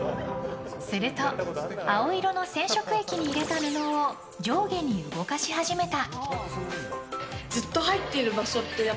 すると青色の染色液を入れた布を上下に動かし始めた。